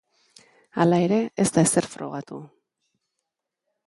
Hala ere, ez da ezer frogatu.